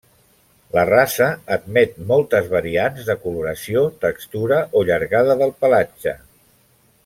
La raça admet moltes variants de coloració, textura o llargada del pelatge.